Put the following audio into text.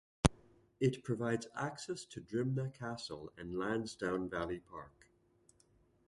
It provides access to Drimnagh Castle and Lansdowne Valley Park.